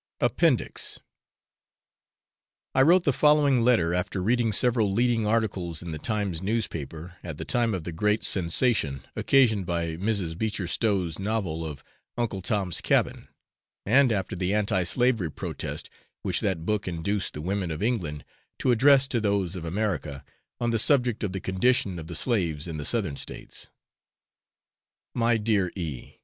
APPENDIX I wrote the following letter after reading several leading articles in the Times newspaper, at the time of the great sensation occasioned by Mrs. Beecher Stowe's novel of 'Uncle Tom's Cabin,' and after the Anti Slavery Protest which that book induced the women of England to address to those of America, on the subject of the condition of the slaves in the southern states. My dear E